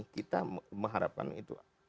kita mengharapkan itu